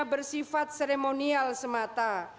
bersifat seremonial semata